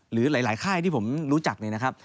หรือหลายค่ายที่ผมรู้จักเนี่ยนะครับ